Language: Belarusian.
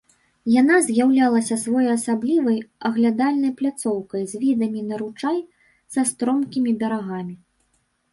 Яна з'яўлялася своеасаблівай аглядальнай пляцоўкай з відамі на ручай са стромкімі берагамі.